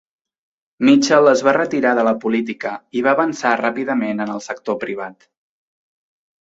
Mitchell es va retirar de la política i va avançar ràpidament en el sector privat.